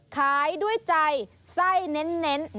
ขายด้วยใจไส้เน้น